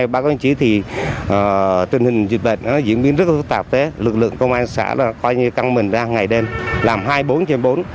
bác công chí tình hình dịch bệnh diễn biến rất phức tạp lực lượng công an xã cân mình ra ngày đêm làm hai mươi bốn trên hai mươi bốn